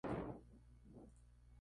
Además, fue alumna de Eugenio Dittborn.